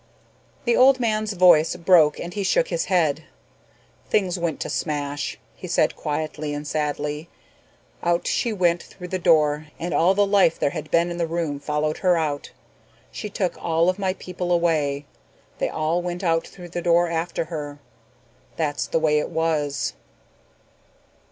The old man's voice broke and he shook his head. "Things went to smash," he said quietly and sadly. "Out she went through the door and all the life there had been in the room followed her out. She took all of my people away. They all went out through the door after her. That's the way it was."